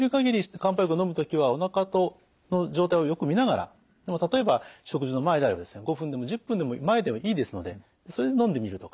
漢方薬をのむ時はおなかの状態をよく見ながら例えば食事の前であれば５分でも１０分でも前でいいですのでそれでのんでみるとか。